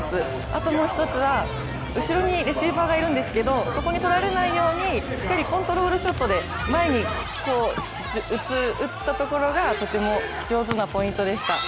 あともう一つは、後ろにレシーバーがいるんですけどそこに取られないように、コントロールショットで前に打ったところがとても上手なポイントでした。